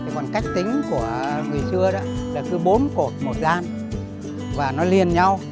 còn cách tính của người xưa đó là cứ bốn cột một gian và nó liền nhau